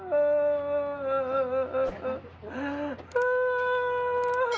hati kau takkan peduli